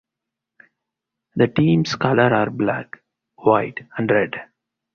The team's colors are black, white and red.